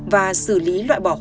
và xử lý